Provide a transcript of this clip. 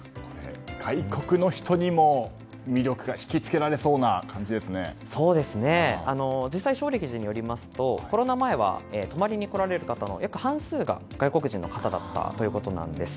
外国の人にも魅力が引きつけられそうな実際、正暦寺によりますとコロナ前は泊まりに来られる方の半数が外国人の方だったということです。